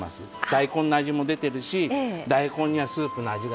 大根の味も出てるし大根にはスープの味が。